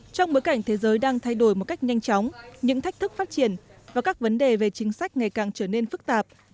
trong bối cảnh thế giới đang thay đổi một cách nhanh chóng những thách thức phát triển và các vấn đề về chính sách ngày càng trở nên phức tạp